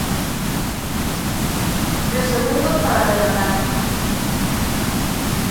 Tres segundos para rematar.